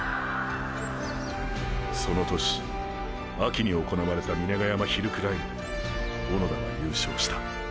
その年秋に行われた峰ヶ山ヒルクライムで小野田は優勝した。